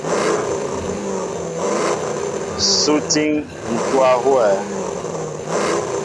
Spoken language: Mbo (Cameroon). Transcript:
Sú étííŋ ntówa huwɛέ ?